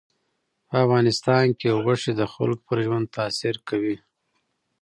په افغانستان کې غوښې د خلکو پر ژوند تاثیر کوي.